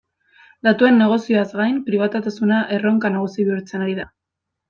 Datuen negozioaz gain, pribatutasuna erronka nagusi bihurtzen ari da.